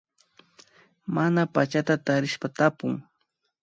Mana pachata tarishpa tapun